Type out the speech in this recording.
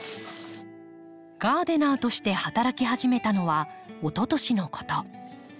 ガーデナーとして働き始めたのはおととしのこと。